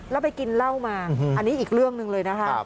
แล้วไปกินเหล้ามาอันนี้อีกเรื่องหนึ่งเลยนะคะ